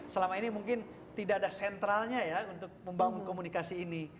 selama ini mungkin tidak ada sentralnya ya untuk membangun komunikasi ini